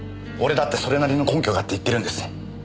俺だってそれなりの根拠があって言ってるんです。